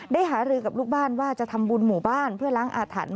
หารือกับลูกบ้านว่าจะทำบุญหมู่บ้านเพื่อล้างอาถรรพ์